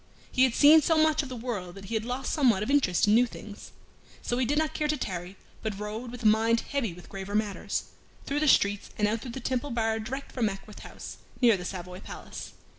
He had seen so much of the world that he had lost somewhat of interest in new things. So he did not care to tarry, but rode, with a mind heavy with graver matters, through the streets and out through the Temple Bar direct for Mackworth House, near the Savoy Palace.